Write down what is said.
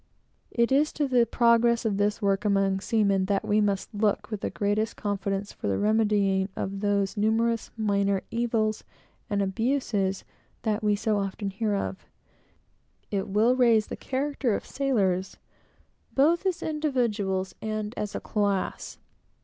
It is to the progress of this work among seamen that we must look with the greatest confidence for the remedying of those numerous minor evils and abuses that we so often hear of. It will raise the character of sailors, both as individuals and as a class.